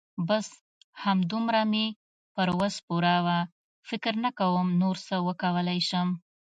بس همدومره مې پر وس پوره وه. فکر نه کوم نور څه وکولای شم.